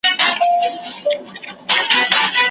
ما مي له پښتو سره پېیلې د نصیب ژبه